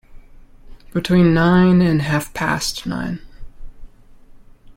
Between nine and half-past nine.